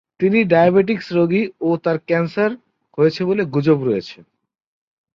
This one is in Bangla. তিনি ডায়াবেটিক রোগী ও তার ক্যান্সার হয়েছে বলে গুজব রয়েছে।